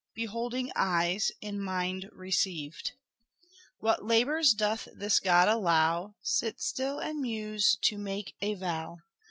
Beholding eyes, in mind received. What labours doth this god allow ? Sit still and muse to make a vow.